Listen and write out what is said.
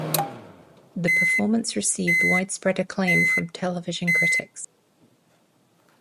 The performance received widespread acclaim from television critics.